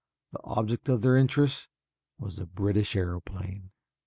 The object of their interest was a British aeroplane.